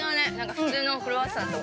普通のクロワッサンと。